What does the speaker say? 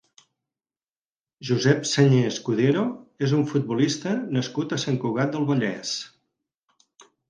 Josep Señé Escudero és un futbolista nascut a Sant Cugat del Vallès.